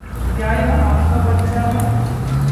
क्या यह आपका बच्चा है?